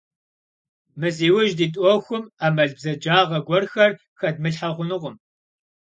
Мы зи ужь дит Ӏуэхум Ӏэмал, бзэджагъэ гуэрхэр хэдмылъхьэу хъунукъым.